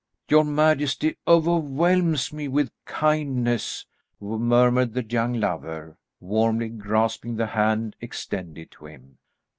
"Your majesty overwhelms me with kindness," murmured the young lover, warmly grasping the hand extended to him.